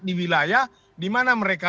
di wilayah di mana mereka